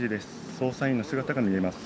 捜査員の姿が見えます。